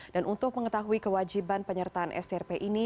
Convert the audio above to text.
dan untuk mengetahui kewajiban penyertaan strp ini